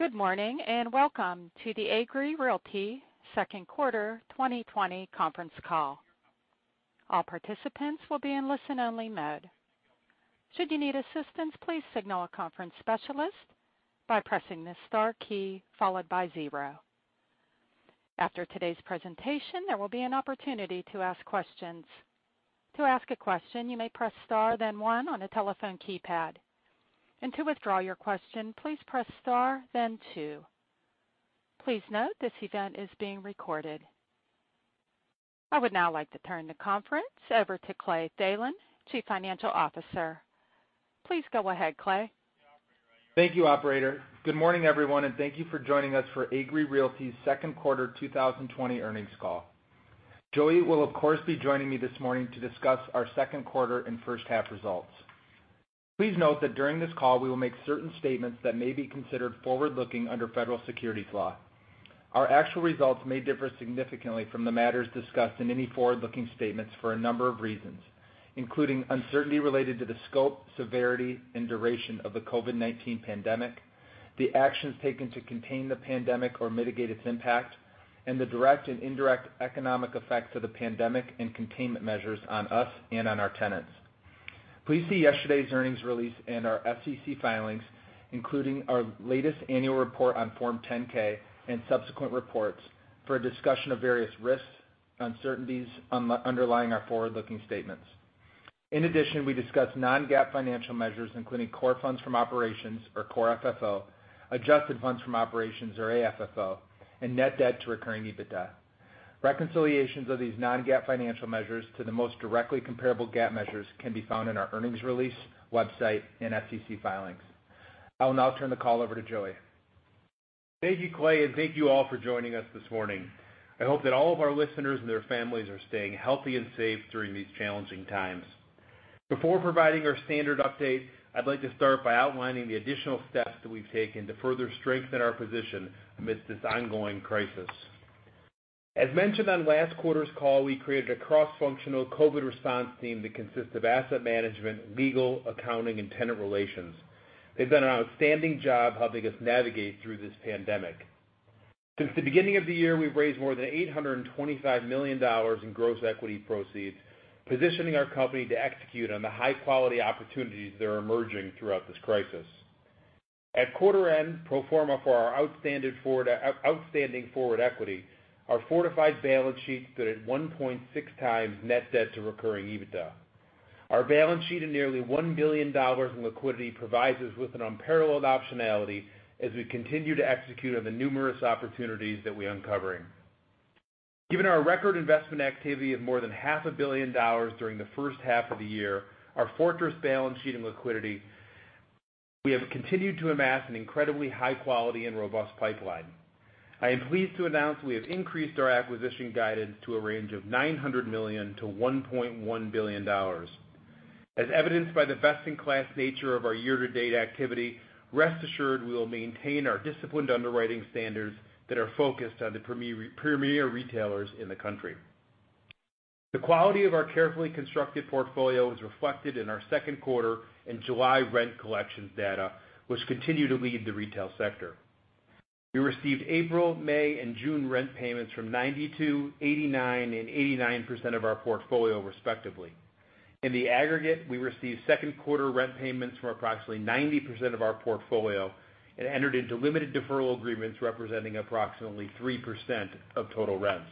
Good morning, and welcome to the Agree Realty second quarter 2020 conference call. All participants will be in listen only mode. Should you need assistance, please signal a conference specialist by pressing the star key followed by zero. After today's presentation, there will be an opportunity to ask questions. To ask a question, you may press star then one on a telephone keypad. To withdraw your question, please press star then two. Please note this event is being recorded. I would now like to turn the conference over to Clayton Thelen, Chief Financial Officer. Please go ahead, Clay. Thank you, operator. Good morning, everyone, and thank you for joining us for Agree Realty's second quarter 2020 earnings call. Joey will, of course, be joining me this morning to discuss our second quarter and first half results. Please note that during this call, we will make certain statements that may be considered forward-looking under federal securities law. Our actual results may differ significantly from the matters discussed in any forward-looking statements for a number of reasons, including uncertainty related to the scope, severity, and duration of the COVID-19 pandemic, the actions taken to contain the pandemic or mitigate its impact, and the direct and indirect economic effects of the pandemic and containment measures on us and on our tenants. Please see yesterday's earnings release and our SEC filings, including our latest annual report on Form 10-K and subsequent reports for a discussion of various risks, uncertainties underlying our forward-looking statements. In addition, we discuss non-GAAP financial measures, including core funds from operations or core FFO, adjusted funds from operations or AFFO, and net debt to recurring EBITDA. Reconciliations of these non-GAAP financial measures to the most directly comparable GAAP measures can be found in our earnings release, website, and SEC filings. I will now turn the call over to Joey. Thank you, Clay, and thank you all for joining us this morning. I hope that all of our listeners and their families are staying healthy and safe during these challenging times. Before providing our standard update, I'd like to start by outlining the additional steps that we've taken to further strengthen our position amidst this ongoing crisis. As mentioned on last quarter's call, we created a cross-functional COVID response team that consists of asset management, legal, accounting, and tenant relations. They've done an outstanding job helping us navigate through this pandemic. Since the beginning of the year, we've raised more than $825 million in gross equity proceeds, positioning our company to execute on the high-quality opportunities that are emerging throughout this crisis. At quarter end, pro forma for our outstanding forward equity, our fortified balance sheet stood at 1.6 times net debt to recurring EBITDA. Our balance sheet of nearly $1 billion in liquidity provides us with an unparalleled optionality as we continue to execute on the numerous opportunities that we are uncovering. Given our record investment activity of more than half a billion dollars during the first half of the year, our fortress balance sheet and liquidity, we have continued to amass an incredibly high quality and robust pipeline. I am pleased to announce we have increased our acquisition guidance to a range of $900 million-$1.1 billion. As evidenced by the best-in-class nature of our year to date activity, rest assured we will maintain our disciplined underwriting standards that are focused on the premier retailers in the country. The quality of our carefully constructed portfolio is reflected in our second quarter and July rent collections data, which continue to lead the retail sector. We received April, May, and June rent payments from 92%, 89% and 89% of our portfolio, respectively. In the aggregate, we received second quarter rent payments from approximately 90% of our portfolio and entered into limited deferral agreements representing approximately 3% of total rents.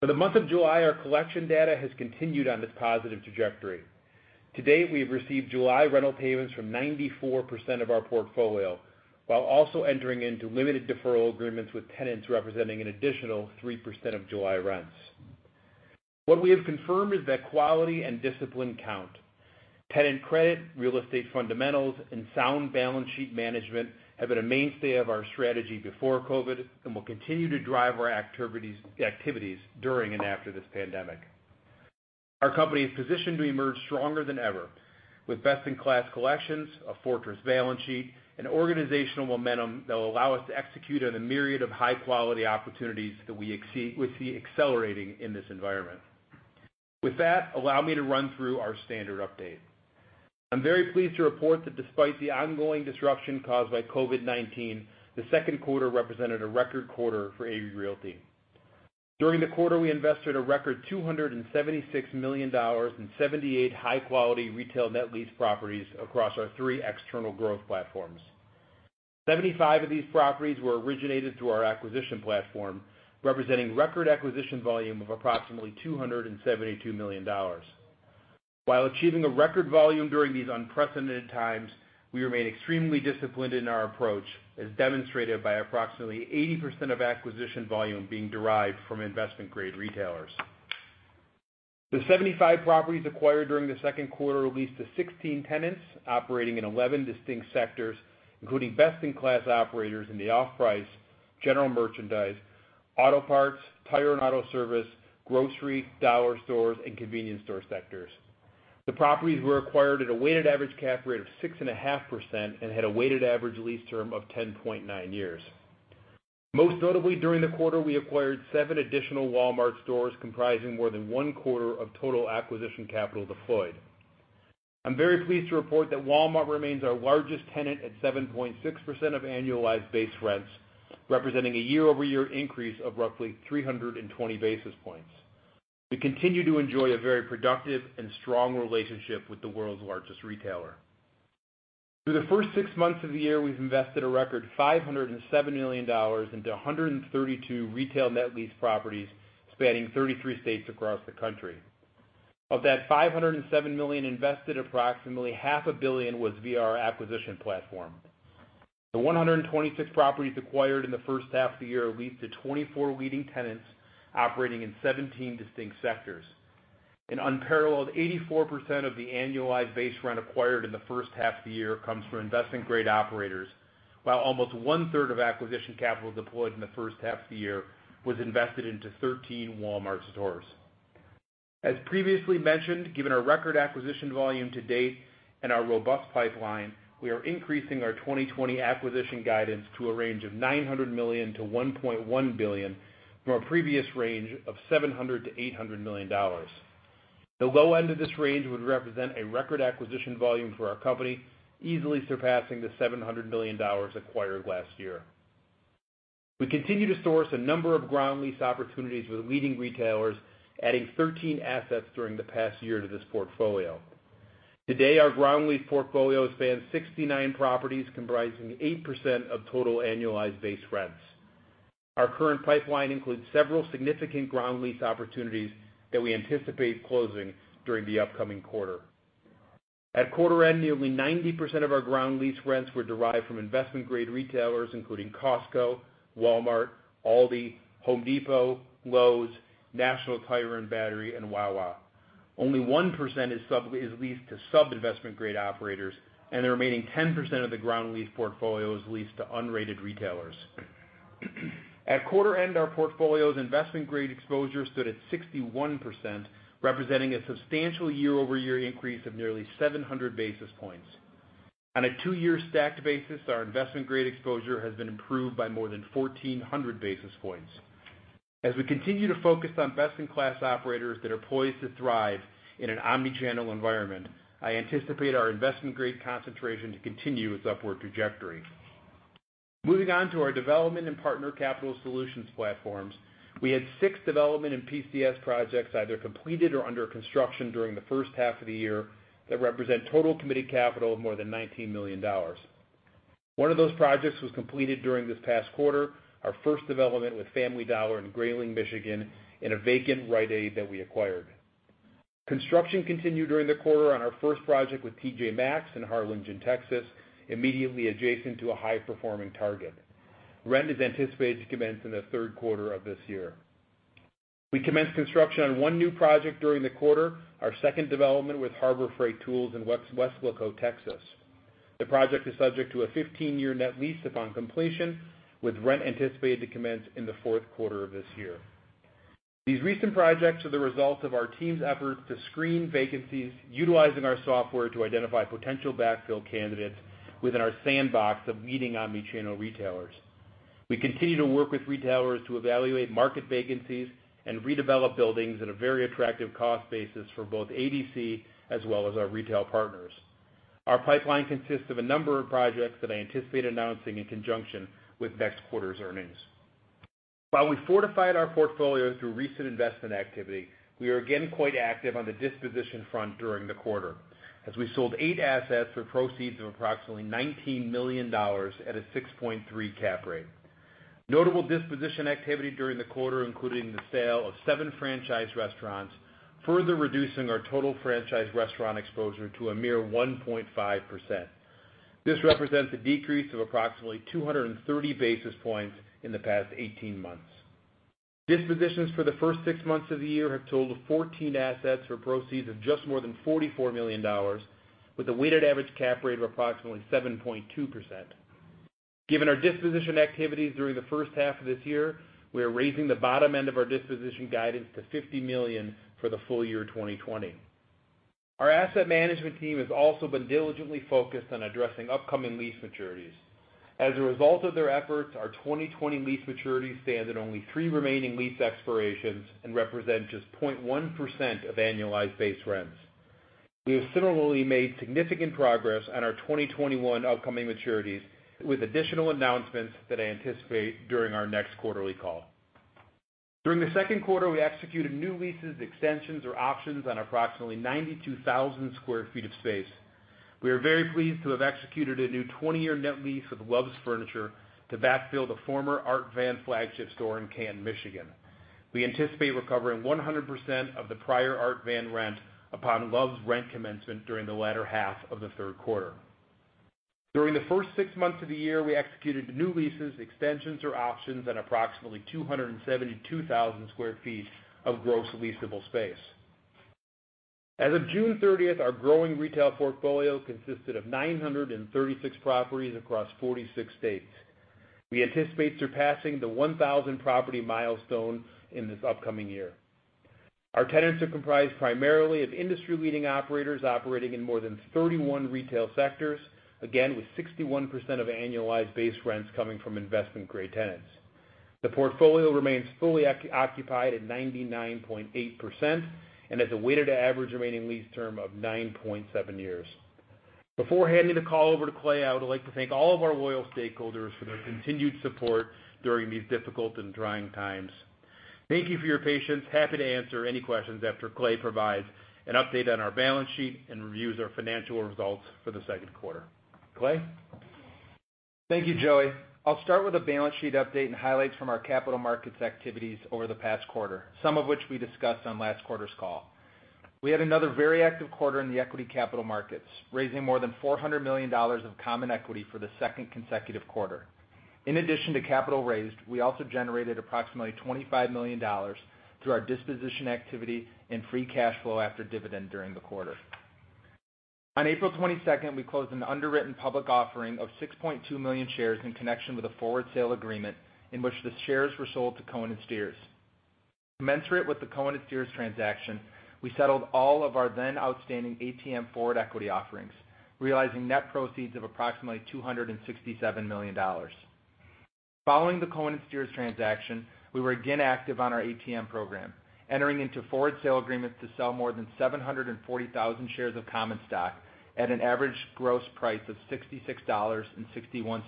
For the month of July, our collection data has continued on this positive trajectory. To date, we have received July rental payments from 94% of our portfolio, while also entering into limited deferral agreements with tenants representing an additional 3% of July rents. What we have confirmed is that quality and discipline count. Tenant credit, real estate fundamentals, and sound balance sheet management have been a mainstay of our strategy before COVID and will continue to drive our activities during and after this pandemic. Our company is positioned to emerge stronger than ever with best-in-class collections, a fortress balance sheet, and organizational momentum that will allow us to execute on the myriad of high-quality opportunities that we see accelerating in this environment. With that, allow me to run through our standard update. I'm very pleased to report that despite the ongoing disruption caused by COVID-19, the second quarter represented a record quarter for Agree Realty. During the quarter, we invested a record $276 million in 78 high-quality retail net lease properties across our three external growth platforms. 75 of these properties were originated through our acquisition platform, representing record acquisition volume of approximately $272 million. While achieving a record volume during these unprecedented times, we remain extremely disciplined in our approach, as demonstrated by approximately 80% of acquisition volume being derived from investment grade retailers. The 75 properties acquired during the second quarter are leased to 16 tenants operating in 11 distinct sectors, including best-in-class operators in the off-price, general merchandise, auto parts, tire and auto service, grocery, dollar stores, and convenience store sectors. The properties were acquired at a weighted average cap rate of 6.5% and had a weighted average lease term of 10.9 years. Most notably during the quarter, we acquired seven additional Walmart stores comprising more than one quarter of total acquisition capital deployed. I'm very pleased to report that Walmart remains our largest tenant at 7.6% of annualized base rents, representing a year-over-year increase of roughly 320 basis points. We continue to enjoy a very productive and strong relationship with the world's largest retailer. Through the first six months of the year, we've invested a record $507 million into 132 retail net lease properties spanning 33 states across the country. Of that $507 million invested, approximately half a billion was via our acquisition platform. The 126 properties acquired in the first half of the year lease to 24 leading tenants operating in 17 distinct sectors. An unparalleled 84% of the annualized base rent acquired in the first half of the year comes from investment-grade operators, while almost one-third of acquisition capital deployed in the first half of the year was invested into 13 Walmart stores. As previously mentioned, given our record acquisition volume to date and our robust pipeline, we are increasing our 2020 acquisition guidance to a range of $900 million-$1.1 billion from a previous range of $700 million-$800 million. The low end of this range would represent a record acquisition volume for our company, easily surpassing the $700 million acquired last year. We continue to source a number of ground lease opportunities with leading retailers, adding 13 assets during the past year to this portfolio. Today, our ground lease portfolio spans 69 properties, comprising 8% of total annualized base rents. Our current pipeline includes several significant ground lease opportunities that we anticipate closing during the upcoming quarter. At quarter end, nearly 90% of our ground lease rents were derived from investment-grade retailers, including Costco, Walmart, Aldi, Home Depot, Lowe's, National Tire & Battery, and Wawa. Only 1% is leased to sub-investment-grade operators, and the remaining 10% of the ground lease portfolio is leased to unrated retailers. At quarter end, our portfolio's investment-grade exposure stood at 61%, representing a substantial year-over-year increase of nearly 700 basis points. On a two-year stacked basis, our investment-grade exposure has been improved by more than 1,400 basis points. As we continue to focus on best-in-class operators that are poised to thrive in an omni-channel environment, I anticipate our investment-grade concentration to continue its upward trajectory. Moving on to our development and partner capital solutions platforms, we had six development and PCS projects either completed or under construction during the first half of the year that represent total committed capital of more than $19 million. One of those projects was completed during this past quarter, our first development with Family Dollar in Grayling, Michigan, in a vacant Rite Aid that we acquired. Construction continued during the quarter on our first project with T.J. Maxx in Harlingen, Texas, immediately adjacent to a high-performing Target. Rent is anticipated to commence in the third quarter of this year. We commenced construction on one new project during the quarter, our second development with Harbor Freight Tools in Weslaco, Texas. The project is subject to a 15-year net lease upon completion, with rent anticipated to commence in the fourth quarter of this year. These recent projects are the result of our team's efforts to screen vacancies, utilizing our software to identify potential backfill candidates within our sandbox of leading omni-channel retailers. We continue to work with retailers to evaluate market vacancies and redevelop buildings at a very attractive cost basis for both ADC as well as our retail partners. Our pipeline consists of a number of projects that I anticipate announcing in conjunction with next quarter's earnings. While we fortified our portfolio through recent investment activity, we are again quite active on the disposition front during the quarter as we sold eight assets for proceeds of approximately $19 million at a 6.3 cap rate. Notable disposition activity during the quarter including the sale of seven franchise restaurants, further reducing our total franchise restaurant exposure to a mere 1.5%. This represents a decrease of approximately 230 basis points in the past 18 months. Dispositions for the first six months of the year have totaled 14 assets for proceeds of just more than $44 million, with a weighted average cap rate of approximately 7.2%. Given our disposition activities during the first half of this year, we are raising the bottom end of our disposition guidance to $50 million for the full year 2020. Our asset management team has also been diligently focused on addressing upcoming lease maturities. As a result of their efforts, our 2020 lease maturities stand at only three remaining lease expirations and represent just 0.1% of annualized base rents. We have similarly made significant progress on our 2021 upcoming maturities with additional announcements that I anticipate during our next quarterly call. During the second quarter, we executed new leases, extensions, or options on approximately 92,000 square feet of space. We are very pleased to have executed a new 20-year net lease with Love's Furniture to backfill the former Art Van flagship store in Canton, Michigan. We anticipate recovering 100% of the prior Art Van rent upon Love's rent commencement during the latter half of the third quarter. During the first six months of the year, we executed new leases, extensions, or options on approximately 272,000 square feet of gross leasable space. As of June 30th, our growing retail portfolio consisted of 936 properties across 46 states. We anticipate surpassing the 1,000-property milestone in this upcoming year. Our tenants are comprised primarily of industry-leading operators operating in more than 31 retail sectors, again, with 61% of annualized base rents coming from investment-grade tenants. The portfolio remains fully occupied at 99.8% and has a weighted average remaining lease term of 9.7 years. Before handing the call over to Clay, I would like to thank all of our loyal stakeholders for their continued support during these difficult and trying times. Thank you for your patience. Happy to answer any questions after Clay provides an update on our balance sheet and reviews our financial results for the second quarter. Clay? Thank you, Joey. I'll start with a balance sheet update and highlights from our capital markets activities over the past quarter, some of which we discussed on last quarter's call. We had another very active quarter in the equity capital markets, raising more than $400 million of common equity for the second consecutive quarter. In addition to capital raised, we also generated approximately $25 million through our disposition activity and free cash flow after dividend during the quarter. On April 22nd, we closed an underwritten public offering of 6.2 million shares in connection with a forward sale agreement in which the shares were sold to Cohen & Steers. Commensurate with the Cohen & Steers transaction, we settled all of our then outstanding ATM forward equity offerings, realizing net proceeds of approximately $267 million. Following the Cohen & Steers transaction, we were again active on our ATM program, entering into forward sale agreements to sell more than 740,000 shares of common stock at an average gross price of $66.61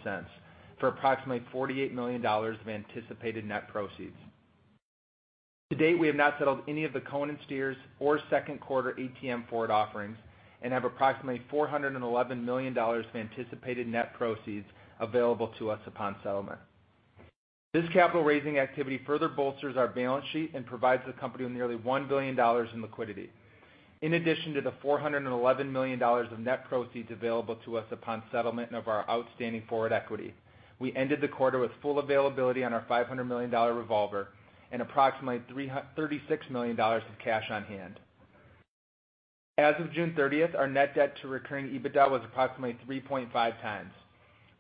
for approximately $48 million of anticipated net proceeds. To date, we have not settled any of the Cohen & Steers or second quarter ATM forward offerings and have approximately $411 million of anticipated net proceeds available to us upon settlement. This capital-raising activity further bolsters our balance sheet and provides the company with nearly $1 billion in liquidity. In addition to the $411 million of net proceeds available to us upon settlement of our outstanding forward equity, we ended the quarter with full availability on our $500 million revolver and approximately $36 million of cash on hand. As of June 30th, our net debt to recurring EBITDA was approximately 3.5 times.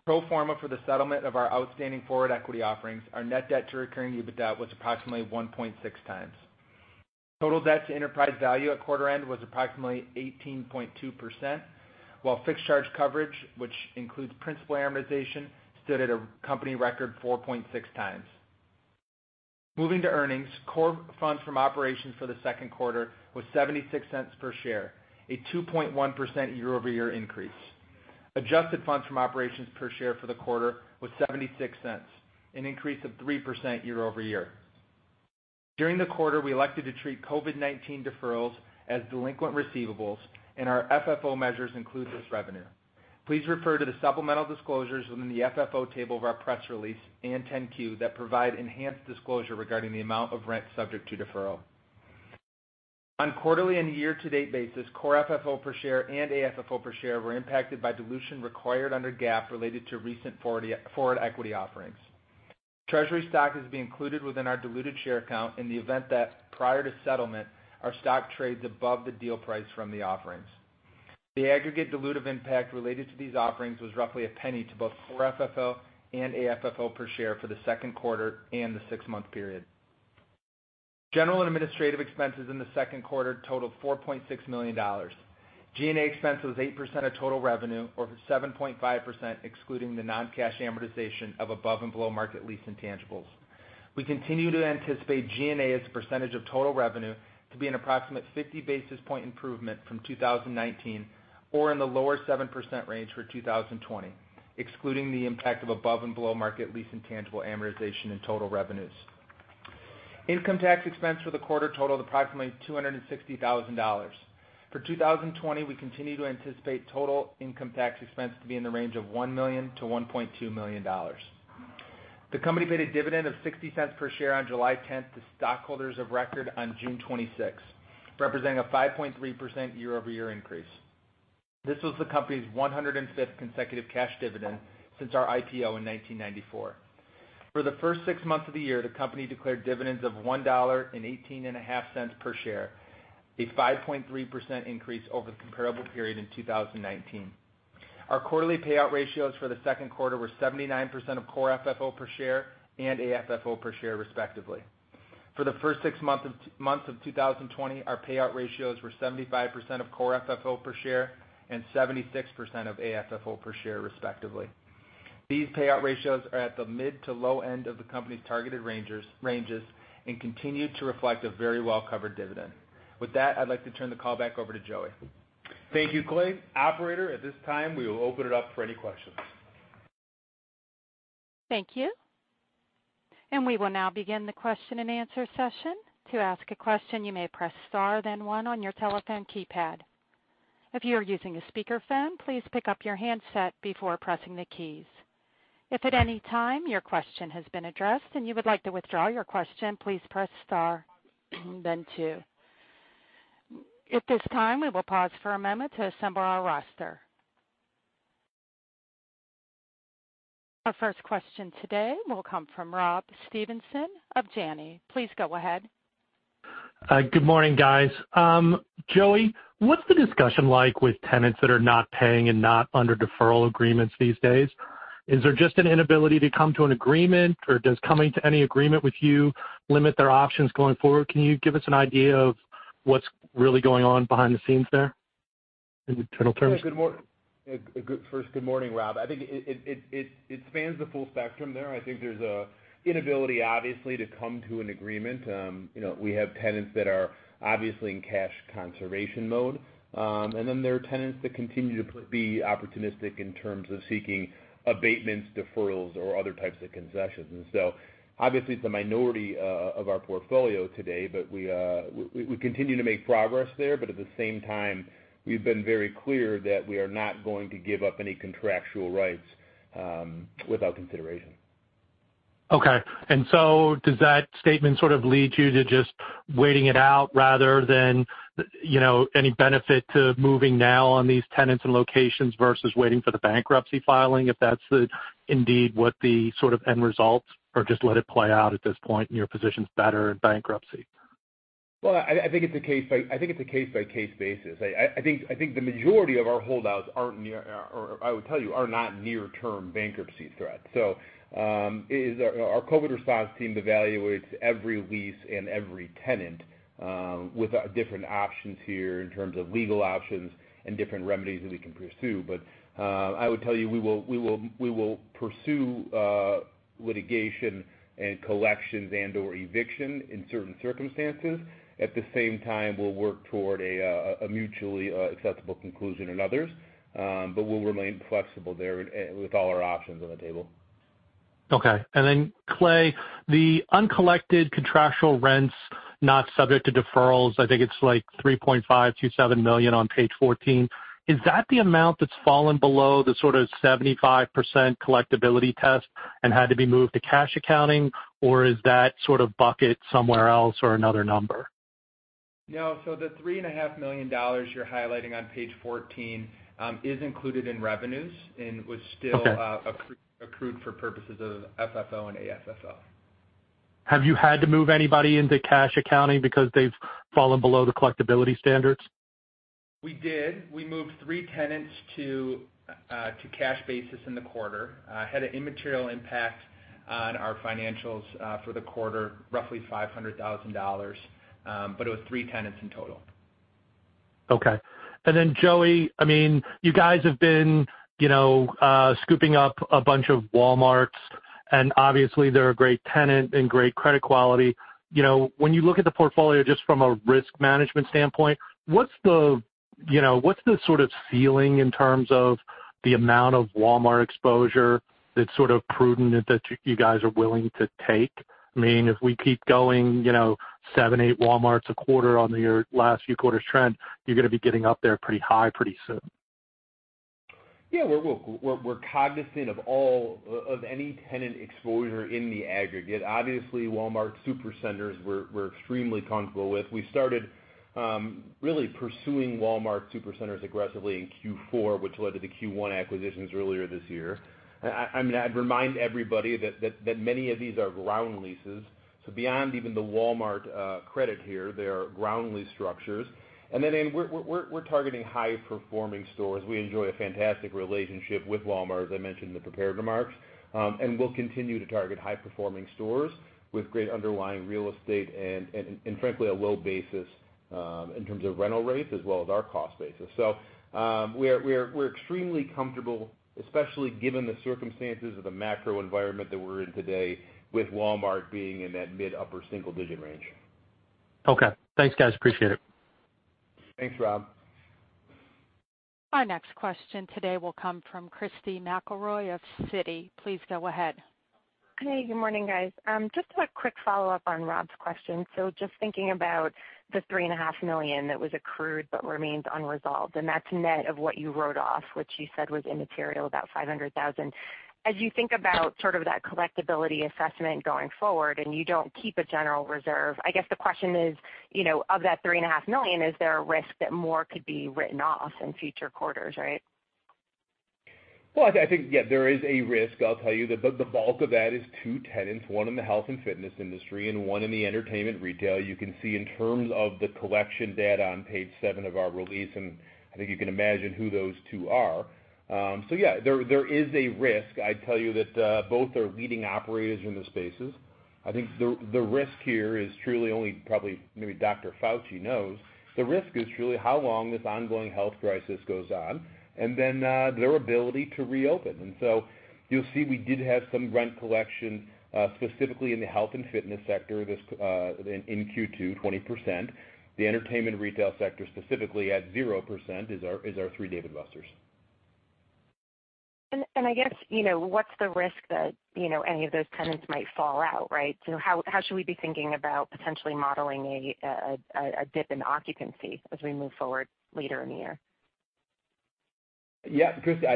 Pro forma for the settlement of our outstanding forward equity offerings, our net debt to recurring EBITDA was approximately 1.6 times. Total debt to enterprise value at quarter end was approximately 18.2%, while fixed charge coverage, which includes principal amortization, stood at a company record 4.6 times. Moving to earnings, core funds from operations for the second quarter was $0.76 per share, a 2.1% year-over-year increase. Adjusted funds from operations per share for the quarter was $0.76, an increase of 3% year-over-year. During the quarter, we elected to treat COVID-19 deferrals as delinquent receivables, and our FFO measures include this revenue. Please refer to the supplemental disclosures within the FFO table of our press release and 10-Q that provide enhanced disclosure regarding the amount of rent subject to deferral. On quarterly and year-to-date basis, core FFO per share and AFFO per share were impacted by dilution required under GAAP related to recent forward equity offerings. Treasury stock is being included within our diluted share count in the event that prior to settlement, our stock trades above the deal price from the offerings. The aggregate dilutive impact related to these offerings was roughly a penny to both core FFO and AFFO per share for the second quarter and the six-month period. General and administrative expenses in the second quarter totaled $4.6 million. G&A expense was 8% of total revenue or 7.5% excluding the non-cash amortization of above and below market lease intangibles. We continue to anticipate G&A as a percentage of total revenue to be an approximate 50-basis-point improvement from 2019 or in the lower 7% range for 2020, excluding the impact of above and below market lease intangible amortization in total revenues. Income tax expense for the quarter totaled approximately $260,000. For 2020, we continue to anticipate total income tax expense to be in the range of $1 million to $1.2 million. The company paid a dividend of $0.60 per share on July 10th to stockholders of record on June 26th, representing a 5.3% year-over-year increase. This was the company's 105th consecutive cash dividend since our IPO in 1994. For the first six months of the year, the company declared dividends of $1.185 per share, a 5.3% increase over the comparable period in 2019. Our quarterly payout ratios for the second quarter were 79% of core FFO per share and AFFO per share, respectively. For the first six months of 2020, our payout ratios were 75% of core FFO per share and 76% of AFFO per share, respectively. These payout ratios are at the mid to low end of the company's targeted ranges and continue to reflect a very well-covered dividend. With that, I'd like to turn the call back over to Joey. Thank you, Clay. Operator, at this time, we will open it up for any questions. Thank you. We will now begin the question-and-answer session. To ask a question, you may press star then one on your telephone keypad. If you are using a speakerphone, please pick up your handset before pressing the keys. If at any time your question has been addressed and you would like to withdraw your question, please press star then two. At this time, we will pause for a moment to assemble our roster. Our first question today will come from Rob Stevenson of Janney. Please go ahead. Good morning, guys. Joey, what's the discussion like with tenants that are not paying and not under deferral agreements these days? Is there just an inability to come to an agreement, or does coming to any agreement with you limit their options going forward? Can you give us an idea of what's really going on behind the scenes there in internal terms? First, good morning, Rob. I think it spans the full spectrum there. I think there's an inability, obviously, to come to an agreement. We have tenants that are obviously in cash conservation mode. There are tenants that continue to be opportunistic in terms of seeking abatements, deferrals, or other types of concessions. Obviously, it's a minority of our portfolio today, but we continue to make progress there. At the same time, we've been very clear that we are not going to give up any contractual rights without consideration. Okay. Does that statement sort of lead you to just waiting it out rather than any benefit to moving now on these tenants and locations versus waiting for the bankruptcy filing, if that's the indeed what the sort of end result, or just let it play out at this point and your position's better in bankruptcy? Well, I think it's a case-by-case basis. I think the majority of our holdouts aren't near, or I would tell you, are not near-term bankruptcy threats. Our COVID-19 response team evaluates every lease and every tenant with different options here in terms of legal options and different remedies that we can pursue. I would tell you, we will pursue litigation and collections and/or eviction in certain circumstances. At the same time, we'll work toward a mutually acceptable conclusion in others. We'll remain flexible there with all our options on the table. Okay. Clay, the uncollected contractual rents not subject to deferrals, I think it's like $3.527 million on page 14. Is that the amount that's fallen below the sort of 75% collectibility test and had to be moved to cash accounting, or is that sort of bucket somewhere else or another number? No. the $3.5 million you're highlighting on page 14 is included in revenues. Okay Was still accrued for purposes of FFO and AFFO. Have you had to move anybody into cash accounting because they've fallen below the collectibility standards? We did. We moved three tenants to cash basis in the quarter. Had an immaterial impact on our financials for the quarter, roughly $500,000. It was three tenants in total. Okay. Then Joey, you guys have been scooping up a bunch of Walmarts, and obviously, they're a great tenant and great credit quality. When you look at the portfolio just from a risk management standpoint, what's the sort of ceiling in terms of the amount of Walmart exposure that's sort of prudent that you guys are willing to take? Meaning if we keep going seven, eight Walmarts a quarter on your last few quarters trend, you're going to be getting up there pretty high, pretty soon. Yeah. We're cognizant of any tenant exposure in the aggregate. Obviously, Walmart Supercenters, we're extremely comfortable with. We started really pursuing Walmart Supercenters aggressively in Q4, which led to the Q1 acquisitions earlier this year. I'd remind everybody that many of these are ground leases, so beyond even the Walmart credit here, they are ground lease structures. We're targeting high-performing stores. We enjoy a fantastic relationship with Walmart, as I mentioned in the prepared remarks. We'll continue to target high-performing stores with great underlying real estate and frankly, a low basis in terms of rental rates as well as our cost basis. We're extremely comfortable, especially given the circumstances of the macro environment that we're in today, with Walmart being in that mid upper single-digit range. Okay. Thanks, guys. Appreciate it. Thanks, Rob. Our next question today will come from Christy McElroy of Citi. Please go ahead. Hey, good morning, guys. Just a quick follow-up on Rob's question. Just thinking about the $3.5 million that was accrued but remains unresolved, and that's net of what you wrote off, which you said was immaterial, about $500,000. As you think about sort of that collectibility assessment going forward, and you don't keep a general reserve, I guess the question is, of that $3.5 million, is there a risk that more could be written off in future quarters, right? I think, yeah, there is a risk. I'll tell you the bulk of that is two tenants, one in the health and fitness industry and one in the entertainment retail. You can see in terms of the collection data on page seven of our release. I think you can imagine who those two are. Yeah, there is a risk. I'd tell you that both are leading operators in those spaces. I think the risk here is truly only probably maybe Anthony Fauci knows. The risk is truly how long this ongoing health crisis goes on, then their ability to reopen. You'll see we did have some rent collection specifically in the health and fitness sector in Q2, 20%. The entertainment retail sector specifically at 0% is our three Dave & Buster's. I guess what's the risk that any of those tenants might fall out, right? How should we be thinking about potentially modeling a dip in occupancy as we move forward later in the year? Yeah. Christy,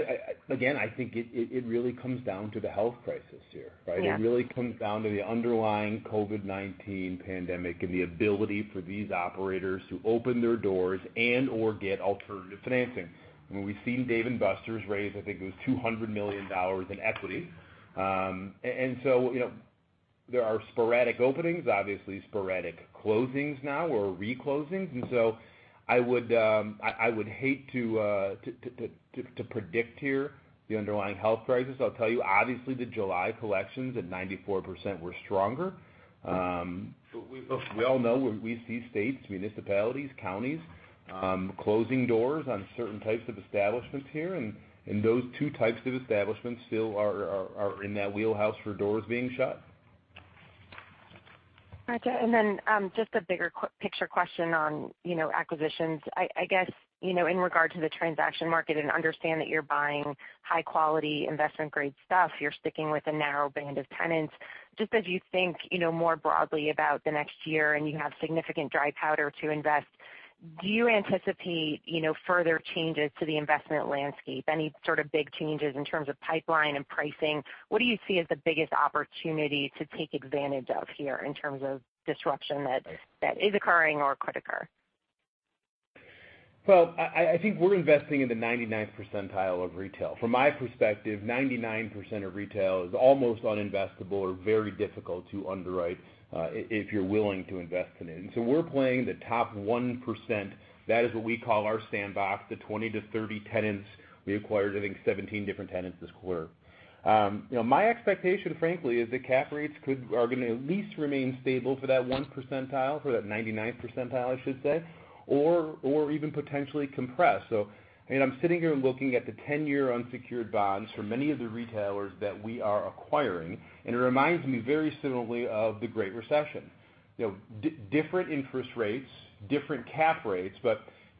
again, I think it really comes down to the health crisis here, right? Yeah. It really comes down to the underlying COVID-19 pandemic and the ability for these operators to open their doors and/or get alternative financing. We've seen Dave & Buster's raise, I think it was $200 million in equity. There are sporadic openings, obviously sporadic closings now, or re-closings. I would hate to predict here the underlying health crisis. I'll tell you, obviously, the July collections at 94% were stronger. We all know we see states, municipalities, counties, closing doors on certain types of establishments here, and those 2 types of establishments still are in that wheelhouse for doors being shut. Gotcha. Then just a bigger picture question on acquisitions. I guess, in regard to the transaction market, understand that you're buying high-quality investment grade stuff, you're sticking with a narrow band of tenants. Just as you think more broadly about the next year, you have significant dry powder to invest, do you anticipate further changes to the investment landscape? Any sort of big changes in terms of pipeline and pricing? What do you see as the biggest opportunity to take advantage of here in terms of disruption that is occurring or could occur? Well, I think we're investing in the 99th percentile of retail. From my perspective, 99% of retail is almost un-investable or very difficult to underwrite, if you're willing to invest in it. We're playing the top 1%, that is what we call our sandbox, the 20 to 30 tenants. We acquired, I think, 17 different tenants this quarter. My expectation, frankly, is that cap rates are going to at least remain stable for that one percentile, for that 99th percentile, I should say, or even potentially compress. I'm sitting here looking at the 10-year unsecured bonds for many of the retailers that we are acquiring, and it reminds me very similarly of the Great Recession. Different interest rates, different cap rates,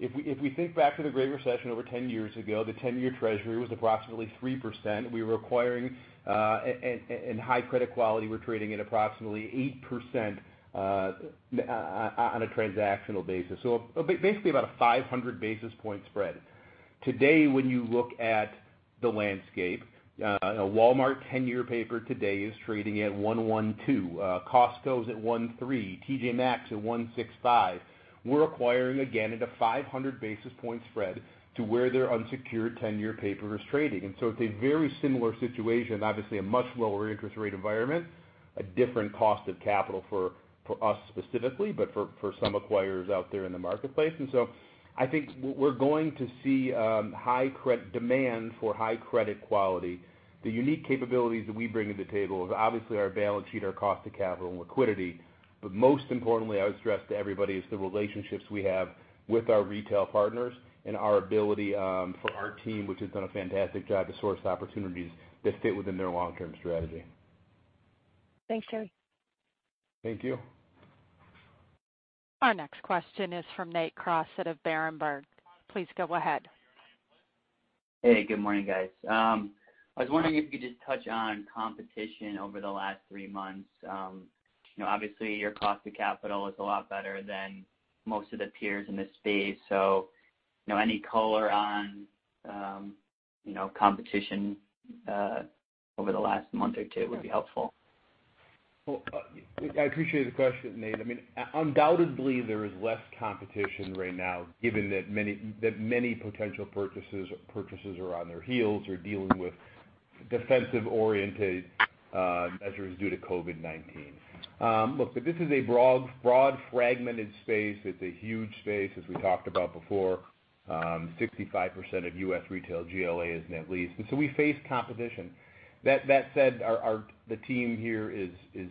If we think back to the Great Recession over 10 years ago, the 10-year treasury was approximately 3%. We were acquiring in high credit quality, we're trading at approximately 8% on a transactional basis. Basically about a 500 basis point spread. Today, when you look at the landscape, a Walmart 10-year paper today is trading at 112. Costco's at 13, TJ Maxx at 165. We're acquiring again at a 500 basis point spread to where their unsecured 10-year paper is trading. It's a very similar situation, obviously a much lower interest rate environment, a different cost of capital for us specifically, but for some acquirers out there in the marketplace. I think we're going to see demand for high credit quality. The unique capabilities that we bring to the table is obviously our balance sheet, our cost of capital, and liquidity. Most importantly, I would stress to everybody, is the relationships we have with our retail partners and our ability for our team, which has done a fantastic job to source opportunities that fit within their long-term strategy. Thanks, Joey. Thank you. Our next question is from Nate Crossett out of Berenberg. Please go ahead. Hey, good morning, guys. I was wondering if you could just touch on competition over the last three months. Obviously, your cost of capital is a lot better than most of the peers in this space. Any color on competition over the last month or two would be helpful. Well, I appreciate the question, Nate. Undoubtedly, there is less competition right now given that many potential purchasers are on their heels or dealing with defensive-oriented measures due to COVID-19. Look, this is a broad, fragmented space. It's a huge space, as we talked about before, 65% of U.S. retail GLA is net leased. We face competition. That said, the team here is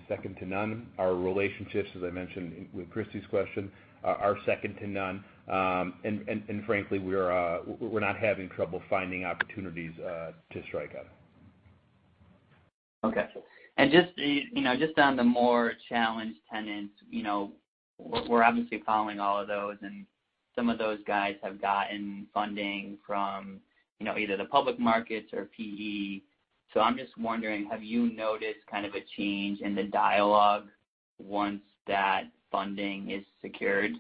second to none. Our relationships, as I mentioned with Christy's question, are second to none. Frankly, we're not having trouble finding opportunities to strike at. Okay. Just on the more challenged tenants, we're obviously following all of those, and some of those guys have gotten funding from either the public markets or PE. I'm just wondering, have you noticed kind of a change in the dialogue once that funding is secured?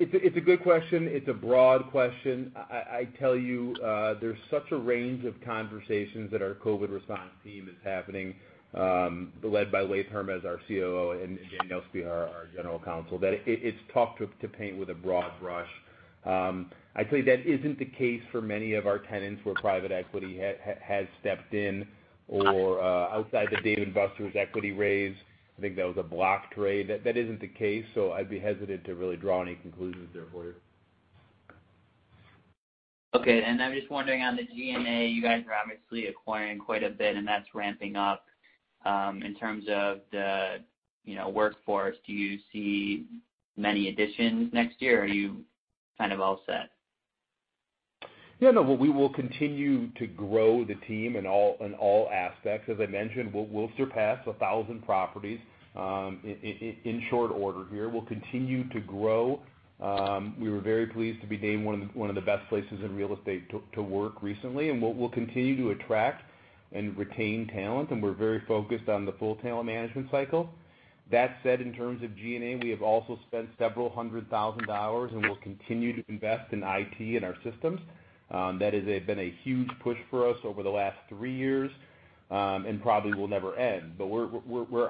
It's a good question. It's a broad question. I tell you, there's such a range of conversations that our COVID response team is happening, led by Laith Hermiz, our COO, and Danielle Speier, our General Counsel, that it's tough to paint with a broad brush. I'd say that isn't the case for many of our tenants where private equity has stepped in or outside the Dave & Buster's equity raise. I think that was a block trade. That isn't the case, I'd be hesitant to really draw any conclusions there for you. Okay. I'm just wondering on the G&A, you guys are obviously acquiring quite a bit, and that's ramping up. In terms of the workforce, do you see many additions next year, or are you kind of all set? We will continue to grow the team in all aspects. As I mentioned, we'll surpass 1,000 properties in short order here. We'll continue to grow. We were very pleased to be named one of the best places in real estate to work recently. We'll continue to attract and retain talent, and we're very focused on the full talent management cycle. That said, in terms of G&A, we have also spent several hundred thousand dollars and will continue to invest in IT and our systems. That has been a huge push for us over the last three years, and probably will never end. We're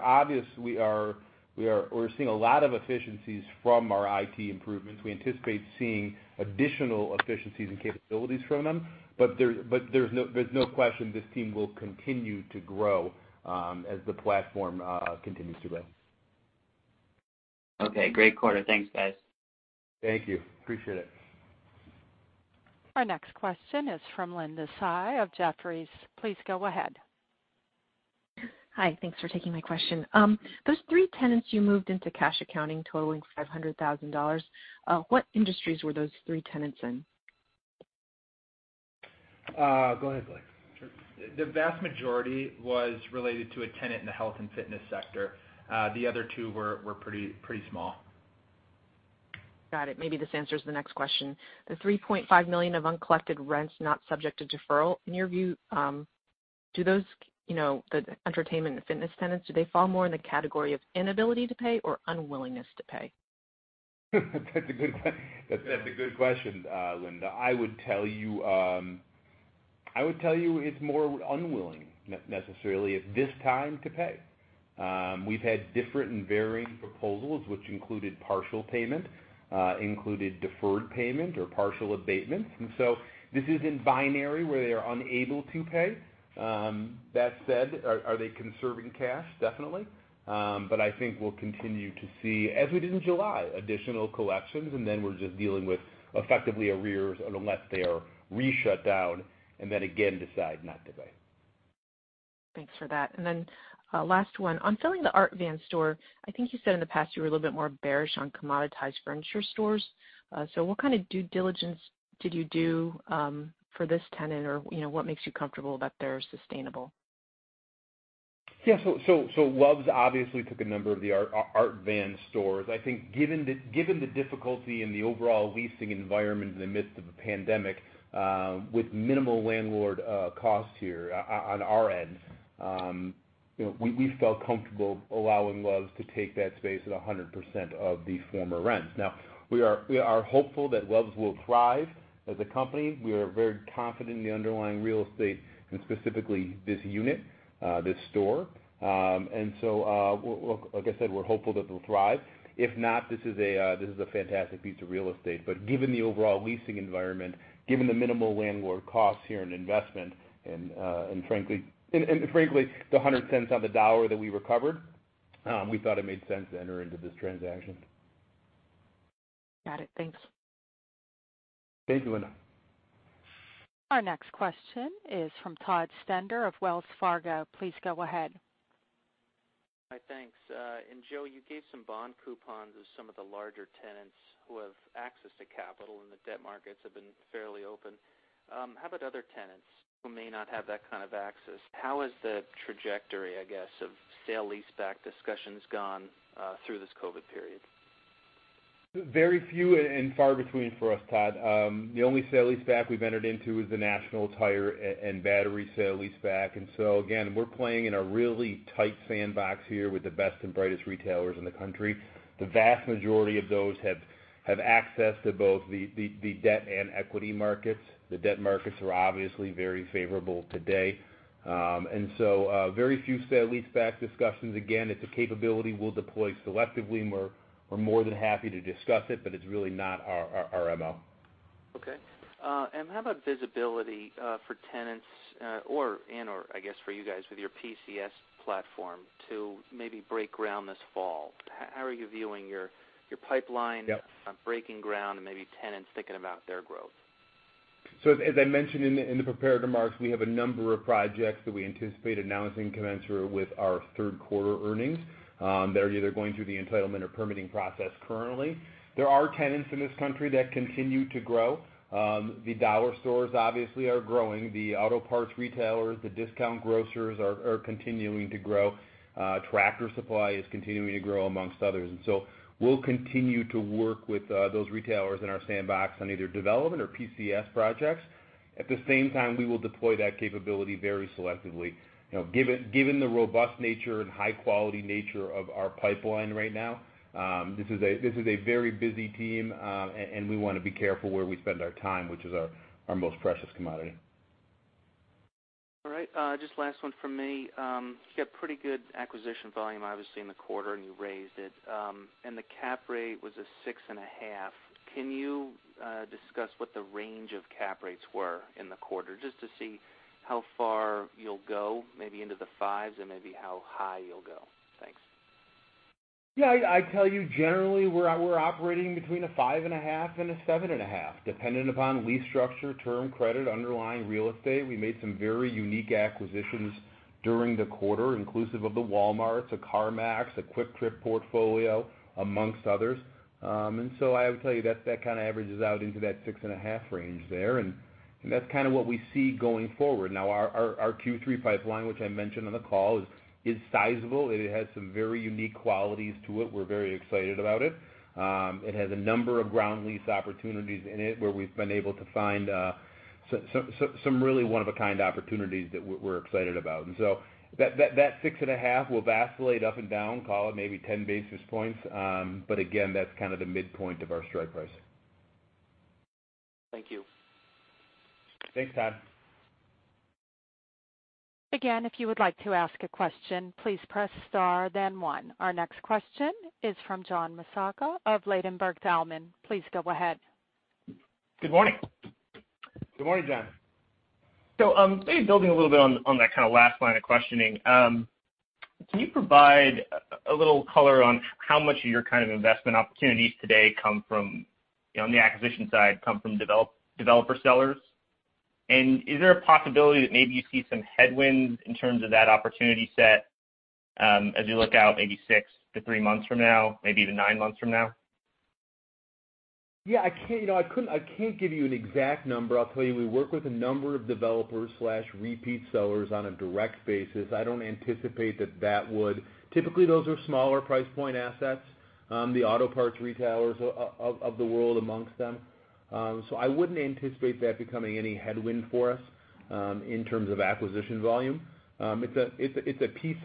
seeing a lot of efficiencies from our IT improvements. We anticipate seeing additional efficiencies and capabilities from them. There's no question this team will continue to grow as the platform continues to grow. Okay, great quarter. Thanks, guys. Thank you. Appreciate it. Our next question is from Linda Tsai of Jefferies. Please go ahead. Hi. Thanks for taking my question. Those three tenants you moved into cash accounting totaling $500,000, what industries were those three tenants in? Go ahead, go ahead. Sure. The vast majority was related to a tenant in the health and fitness sector. The other two were pretty small. Got it. Maybe this answers the next question. The $3.5 million of uncollected rents not subject to deferral, in your view, the entertainment and fitness tenants, do they fall more in the category of inability to pay or unwillingness to pay? That's a good question, Linda. I would tell you it's more unwilling, necessarily, at this time to pay. We've had different and varying proposals, which included partial payment, included deferred payment or partial abatement. This isn't binary where they are unable to pay. That said, are they conserving cash? Definitely. I think we'll continue to see, as we did in July, additional collections, and then we're just dealing with effectively arrears unless they are re-shut down, and then again decide not to pay. Thanks for that. Last one. On filling the Art Van store, I think you said in the past you were a little bit more bearish on commoditized furniture stores. What kind of due diligence did you do for this tenant, or what makes you comfortable that they're sustainable? Yeah. Love's obviously took a number of the Art Van stores. I think given the difficulty in the overall leasing environment in the midst of a pandemic, with minimal landlord cost here on our end, we felt comfortable allowing Love's to take that space at 100% of the former rents. Now, we are hopeful that Love's will thrive as a company. We are very confident in the underlying real estate and specifically this unit, this store. Like I said, we're hopeful that they'll thrive. If not, this is a fantastic piece of real estate. Given the overall leasing environment, given the minimal landlord costs here and investment, and frankly, the 100 cents on the dollar that we recovered, we thought it made sense to enter into this transaction. Got it. Thanks. Thank you, Linda. Our next question is from Todd Stender of Wells Fargo. Please go ahead. Hi, thanks. Joey, you gave some bond coupons as some of the larger tenants who have access to capital, and the debt markets have been fairly open. How about other tenants who may not have that kind of access? How has the trajectory, I guess, of sale leaseback discussions gone through this COVID-19 period? Very few and far between for us, Todd. The only sale leaseback we've entered into is the National Tire & Battery sale leaseback, and so again, we're playing in a really tight sandbox here with the best and brightest retailers in the country. The vast majority of those have access to both the debt and equity markets. The debt markets are obviously very favorable today. Very few sale leaseback discussions. Again, it's a capability we'll deploy selectively, and we're more than happy to discuss it, but it's really not our MO. Okay. How about visibility for tenants and/or, I guess, for you guys with your PCS platform to maybe break ground this fall? How are you viewing your pipeline? Yep on breaking ground and maybe tenants thinking about their growth? As I mentioned in the prepared remarks, we have a number of projects that we anticipate announcing commensurate with our third-quarter earnings. They're either going through the entitlement or permitting process currently. There are tenants in this country that continue to grow. The dollar stores obviously are growing. The auto parts retailers, the discount grocers are continuing to grow. Tractor Supply is continuing to grow amongst others. We'll continue to work with those retailers in our sandbox on either development or PCS projects. At the same time, we will deploy that capability very selectively. Given the robust nature and high-quality nature of our pipeline right now, this is a very busy team, and we want to be careful where we spend our time, which is our most precious commodity. All right. Just last one from me. You got pretty good acquisition volume, obviously, in the quarter, and you raised it. The cap rate was a 6.5%. Can you discuss what the range of cap rates were in the quarter, just to see how far you'll go, maybe into the fives and maybe how high you'll go? Thanks. Yeah. I'd tell you generally, we're operating between a five and a half and a seven and a half, dependent upon lease structure, term credit, underlying real estate. We made some very unique acquisitions during the quarter, inclusive of the Walmarts, a CarMax, a Kwik Trip portfolio, amongst others. I would tell you that kind of averages out into that six and a half range there, and that's kind of what we see going forward. Now our Q3 pipeline, which I mentioned on the call, is sizable. It has some very unique qualities to it. We're very excited about it. It has a number of ground lease opportunities in it where we've been able to find some really one-of-a-kind opportunities that we're excited about. That six and a half will vacillate up and down, call it maybe 10 basis points. Again, that's kind of the midpoint of our strike price. Thank you. Thanks, Todd. Again, if you would like to ask a question, please press star then one. Our next question is from John Massocca of Ladenburg Thalmann. Please go ahead. Good morning. Good morning, John. Maybe building a little bit on that kind of last line of questioning, can you provide a little color on how much of your kind of investment opportunities today, on the acquisition side, come from developer sellers? And is there a possibility that maybe you see some headwinds in terms of that opportunity set, as you look out maybe six to three months from now, maybe even nine months from now? Yeah. I can't give you an exact number. I'll tell you, we work with a number of developers/repeat sellers on a direct basis. I don't anticipate. Typically, those are smaller price point assets. The auto parts retailers of the world amongst them. I wouldn't anticipate that becoming any headwind for us, in terms of acquisition volume. It's a piece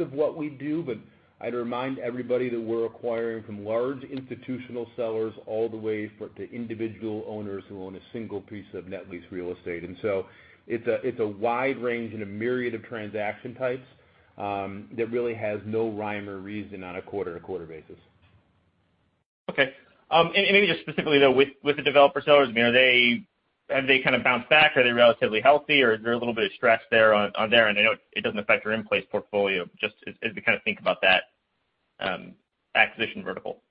of what we do, but I'd remind everybody that we're acquiring from large institutional sellers all the way to individual owners who own a single piece of net lease real estate. It's a wide range and a myriad of transaction types, that really has no rhyme or reason on a quarter-to-quarter basis. Okay. Maybe just specifically, though, with the developer sellers, have they kind of bounced back? Are they relatively healthy, or is there a little bit of stress there on there? I know it doesn't affect your in-place portfolio, just as we kind of think about that acquisition vertical.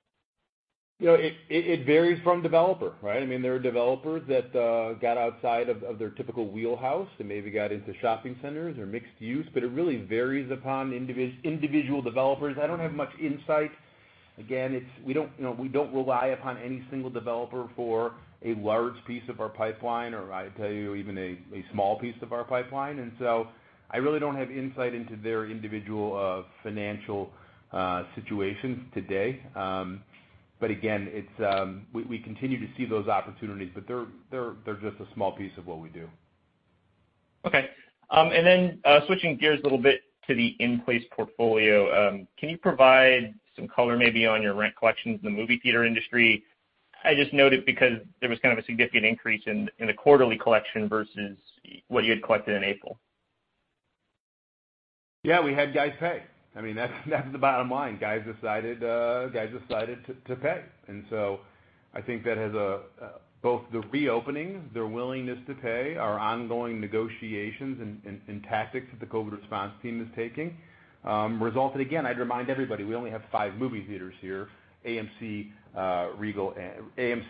It varies from developer, right? There are developers that got outside of their typical wheelhouse and maybe got into shopping centers or mixed use, but it really varies upon individual developers. I don't have much insight. Again, we don't rely upon any single developer for a large piece of our pipeline, or I'd tell you even a small piece of our pipeline. I really don't have insight into their individual financial situations today. Again, we continue to see those opportunities, but they're just a small piece of what we do. Okay. Switching gears a little bit to the in-place portfolio, can you provide some color maybe on your rent collections in the movie theater industry? I just noted because there was a significant increase in the quarterly collection versus what you had collected in April. Yeah, we had guys pay. That's the bottom line. Guys decided to pay. I think that has both the reopening, their willingness to pay, our ongoing negotiations and tactics that the COVID response team is taking, resulted again, I'd remind everybody, we only have five movie theaters here, AMC, Regal, and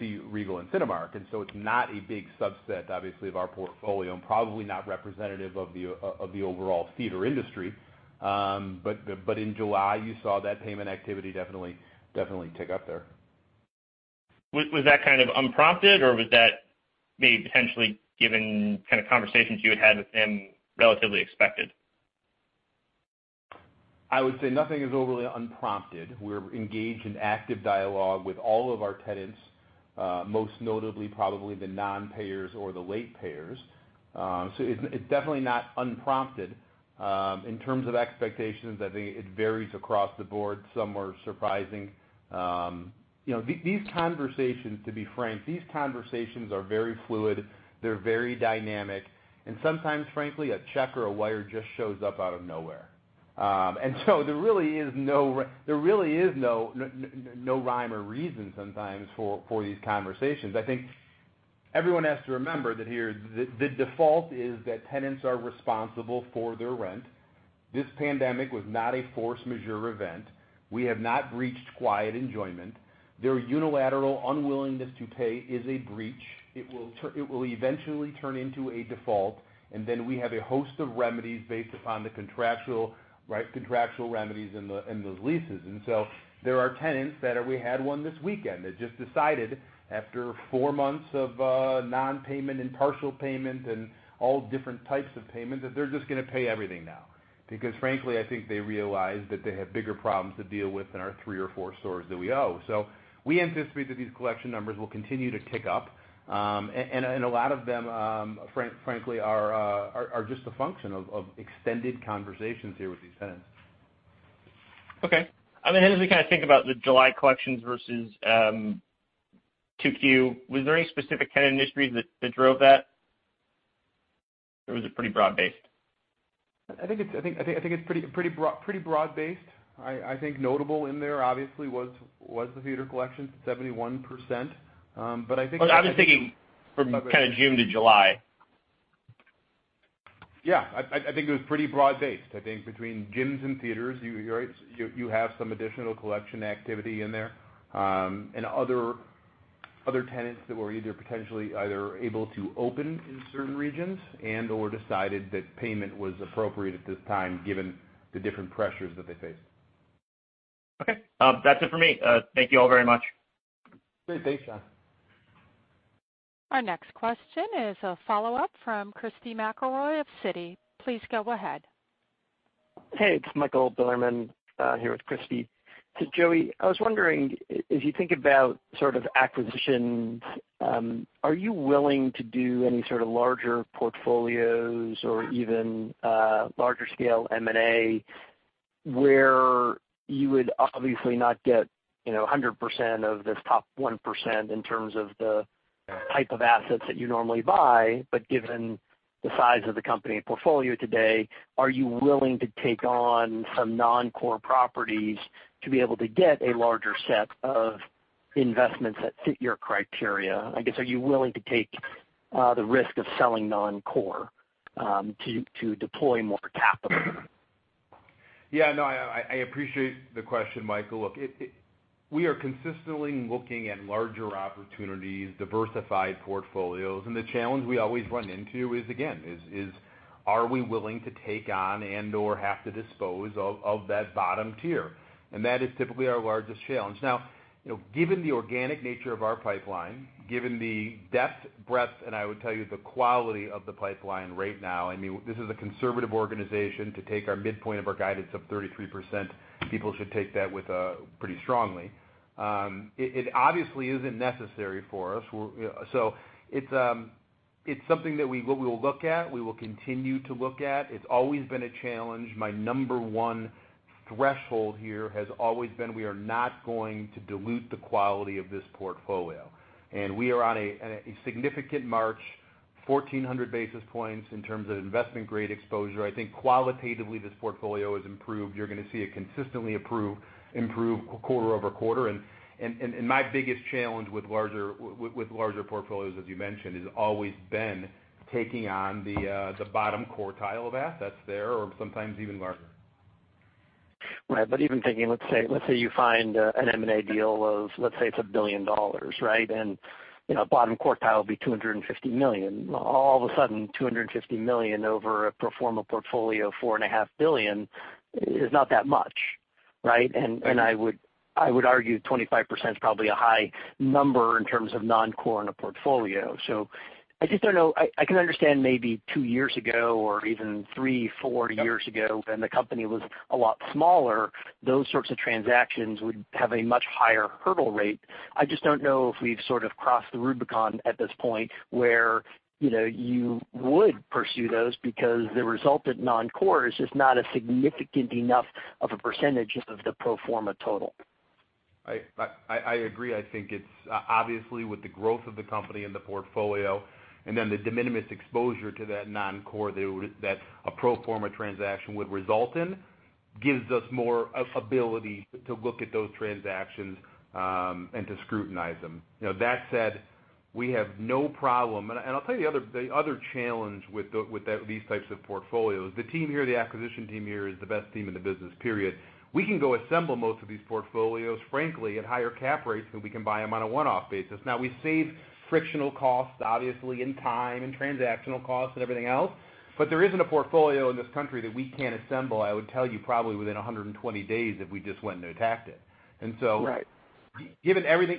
Cinemark. It's not a big subset, obviously, of our portfolio, and probably not representative of the overall theater industry. In July, you saw that payment activity definitely tick up there. Was that kind of unprompted, or was that maybe potentially given kind of conversations you had had with them relatively expected? I would say nothing is overly unprompted. We're engaged in active dialogue with all of our tenants, most notably probably the non-payers or the late payers. It's definitely not unprompted. In terms of expectations, I think it varies across the board. Some were surprising. These conversations, to be frank, these conversations are very fluid, they're very dynamic, and sometimes, frankly, a check or a wire just shows up out of nowhere. There really is no rhyme or reason sometimes for these conversations. I think everyone has to remember that here, the default is that tenants are responsible for their rent. This pandemic was not a force majeure event. We have not breached quiet enjoyment. Their unilateral unwillingness to pay is a breach. It will eventually turn into a default, and then we have a host of remedies based upon the contractual remedies in those leases. There are tenants We had one this weekend that just decided, after four months of non-payment and partial payment and all different types of payment, that they're just going to pay everything now. Frankly, I think they realized that they have bigger problems to deal with than our three or four stores that we owe. We anticipate that these collection numbers will continue to tick up. A lot of them, frankly, are just a function of extended conversations here with these tenants. Okay. As we kind of think about the July collections versus 2Q, was there any specific tenant industries that drove that? Was it pretty broad-based? I think it's pretty broad-based. I think notable in there, obviously, was the theater collections, 71%. I was thinking from kind of June to July. Yeah. I think it was pretty broad-based. I think between gyms and theaters, you have some additional collection activity in there. Other tenants that were either potentially either able to open in certain regions and/or decided that payment was appropriate at this time given the different pressures that they face. Okay. That's it for me. Thank you all very much. Great. Thanks, John. Our next question is a follow-up from Christy McElroy of Citi. Please go ahead. Hey, it's Michael Bilerman, here with Christy. Joey, I was wondering, as you think about sort of acquisitions, are you willing to do any sort of larger portfolios or even larger scale M&A where you would obviously not get 100% of this top 1% in terms of the type of assets that you normally buy, but given the size of the company portfolio today, are you willing to take on some non-core properties to be able to get a larger set of investments that fit your criteria? I guess, are you willing to take the risk of selling non-core to deploy more capital? Yeah. No, I appreciate the question, Michael. Look, we are consistently looking at larger opportunities, diversified portfolios. The challenge we always run into is, again, are we willing to take on and/or have to dispose of that bottom tier? That is typically our largest challenge. Now, given the organic nature of our pipeline, given the depth, breadth, and I would tell you the quality of the pipeline right now, this is a conservative organization to take our midpoint of our guidance of 33%, people should take that pretty strongly. It obviously isn't necessary for us. It's something that we will look at, we will continue to look at. It's always been a challenge. My number one threshold here has always been, we are not going to dilute the quality of this portfolio. We are on a significant march, 1,400 basis points in terms of investment-grade exposure. I think qualitatively, this portfolio has improved. You're going to see it consistently improve quarter-over-quarter. My biggest challenge with larger portfolios, as you mentioned, has always been taking on the bottom quartile of assets there or sometimes even larger. Right. Even thinking, let's say you find an M&A deal of, let's say, it's $1 billion. Bottom quartile would be $250 million. All of a sudden, $250 million over a pro forma portfolio of $4.5 billion is not that much. Right? Right. I would argue 25% is probably a high number in terms of non-core in a portfolio. I just don't know. I can understand maybe two years ago or even three, four years ago, when the company was a lot smaller, those sorts of transactions would have a much higher hurdle rate. I just don't know if we've sort of crossed the Rubicon at this point where you would pursue those because the result at non-core is just not a significant enough of a percentage of the pro forma total. I agree. I think it's obviously with the growth of the company and the portfolio, and then the de minimis exposure to that non-core that a pro forma transaction would result in, gives us more ability to look at those transactions, and to scrutinize them. That said, we have no problem. I'll tell you the other challenge with these types of portfolios, the team here, the acquisition team here is the best team in the business, period. We can go assemble most of these portfolios, frankly, at higher cap rates than we can buy them on a one-off basis. Now, we save frictional costs, obviously, and time and transactional costs and everything else, but there isn't a portfolio in this country that we can't assemble, I would tell you, probably within 120 days if we just went and attacked it. Right. Given everything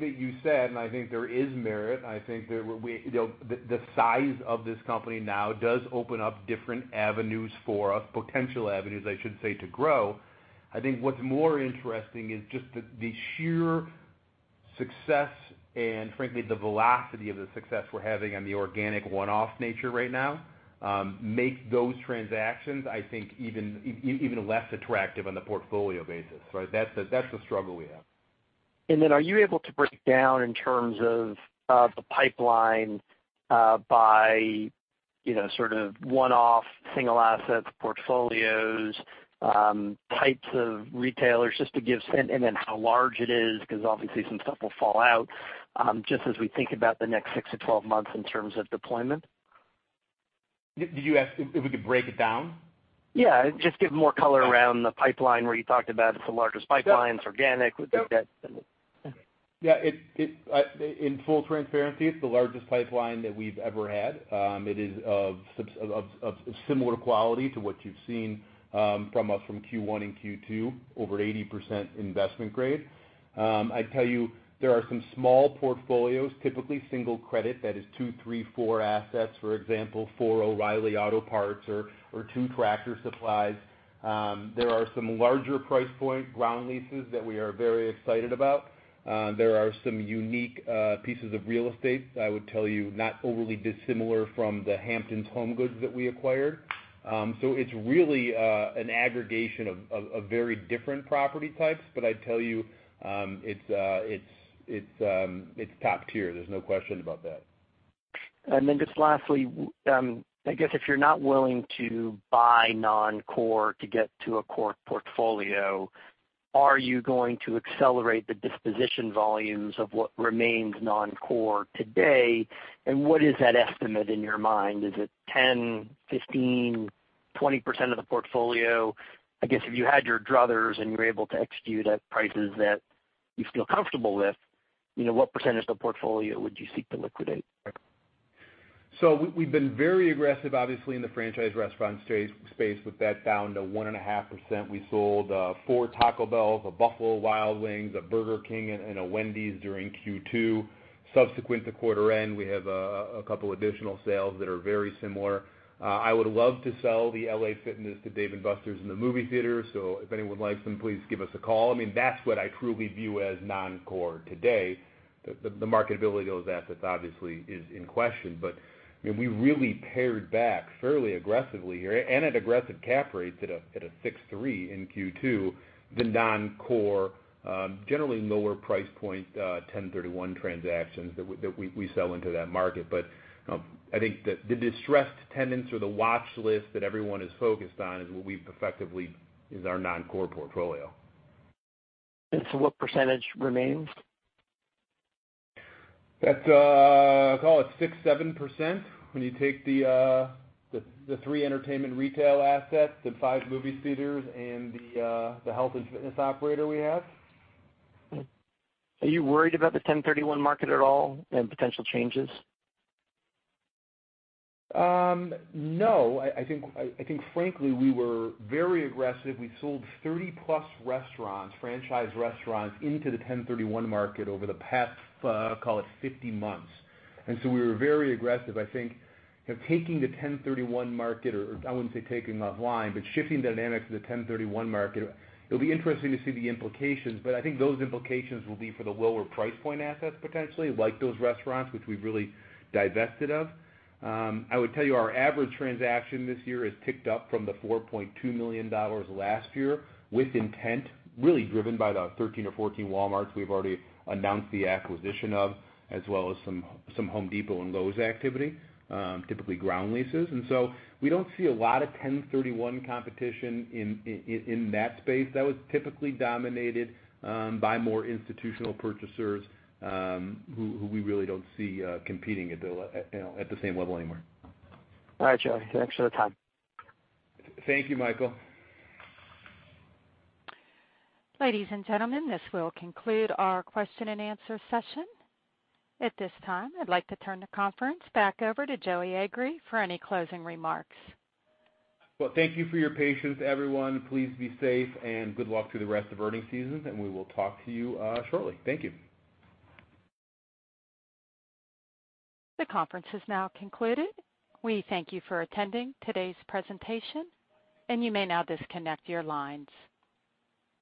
that you said, and I think there is merit, I think the size of this company now does open up different avenues for us, potential avenues, I should say, to grow. What's more interesting is just the sheer success and frankly, the velocity of the success we're having on the organic one-off nature right now, make those transactions, I think, even less attractive on the portfolio basis. That's the struggle we have. Are you able to break down in terms of the pipeline, by sort of one-off single assets, portfolios, types of retailers, just to give a sense, and then how large it is, because obviously some stuff will fall out, just as we think about the next six to 12 months in terms of deployment? Did you ask if we could break it down? Yeah. Just give more color around the pipeline where you talked about it's the largest pipeline, organic. Yeah. In full transparency, it's the largest pipeline that we've ever had. It is of similar quality to what you've seen from us from Q1 and Q2, over 80% investment grade. I'd tell you, there are some small portfolios, typically single credit, that is two, three, four assets, for example, four O'Reilly Auto Parts or two Tractor Supplies. There are some larger price point ground leases that we are very excited about. There are some unique pieces of real estate, I would tell you, not overly dissimilar from The Hamptons HomeGoods that we acquired. It's really an aggregation of very different property types, but I'd tell you, it's top tier. There's no question about that. Just lastly, I guess if you're not willing to buy non-core to get to a core portfolio, are you going to accelerate the disposition volumes of what remains non-core today, and what is that estimate in your mind? Is it 10%, 15%, 20% of the portfolio? I guess if you had your druthers and you were able to execute at prices that you feel comfortable with, what percentage of the portfolio would you seek to liquidate? We've been very aggressive, obviously, in the franchise restaurant space with that down to 1.5%. We sold 4 Taco Bell, a Buffalo Wild Wings, a Burger King, and a Wendy's during Q2. Subsequent to quarter end, we have a couple additional sales that are very similar. I would love to sell the LA Fitness, the Dave & Buster's, and the movie theater. If anyone likes them, please give us a call. That's what I truly view as non-core today. The marketability of those assets obviously is in question. We really pared back fairly aggressively here, and at aggressive cap rates at a 63 in Q2, the non-core, generally lower price point, 1031 transactions that we sell into that market. I think the distressed tenants or the watch list that everyone is focused on is what we've effectively is our non-core portfolio. What % remains? That's, call it 6%, 7% when you take the three entertainment retail assets, the five movie theaters, and the health and fitness operator we have. Are you worried about the 1031 market at all and potential changes? No. I think frankly, we were very aggressive. We sold 30-plus restaurants, franchise restaurants, into the 1031 market over the past, call it 15 months. We were very aggressive. I think taking the 1031 market, or I wouldn't say taking offline, but shifting dynamics to the 1031 market, it'll be interesting to see the implications, but I think those implications will be for the lower price point assets potentially, like those restaurants, which we've really divested of. I would tell you our average transaction this year has ticked up from the $4.2 million last year, with intent really driven by the 13 or 14 Walmarts we've already announced the acquisition of, as well as some Home Depot and Lowe's activity, typically ground leases. We don't see a lot of 1031 competition in that space. That was typically dominated by more institutional purchasers, who we really don't see competing at the same level anymore. All right, Joey. Thanks for the time. Thank you, Michael. Ladies and gentlemen, this will conclude our question-and-answer session. At this time, I'd like to turn the conference back over to Joey Agree for any closing remarks. Well, thank you for your patience, everyone. Please be safe, and good luck through the rest of earnings season, and we will talk to you shortly. Thank you. The conference has now concluded. We thank you for attending today's presentation, and you may now disconnect your lines.